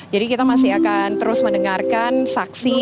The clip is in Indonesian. jadi kita masih akan terus mendengarkan saksi